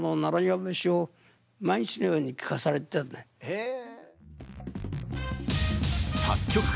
へえ。